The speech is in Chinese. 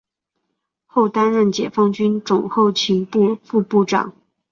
后担任解放军总后勤部副部长。